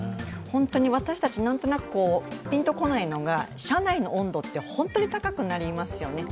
私たち、何となくピンとこないのが、車内の温度って本当に高くなりますよね。